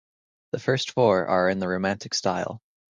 The first four are in the Romantic style.